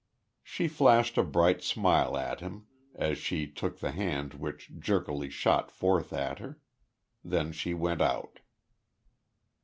She flashed a bright smile at him as she took the hand which jerkily shot forth at her. Then she went out.